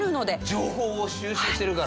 情報を収集してるから。